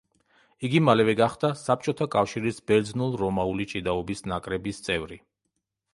იგი მალევე გახდა საბჭოთა კავშირის ბერძნულ-რომაული ჭიდაობის ნაკრების წევრი.